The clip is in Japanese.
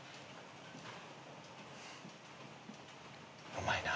うまいな。